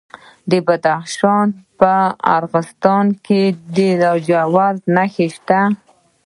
د بدخشان په راغستان کې د لاجوردو نښې شته.